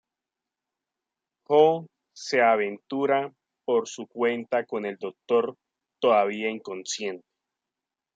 Jo se aventura por su cuenta con el Doctor todavía inconsciente.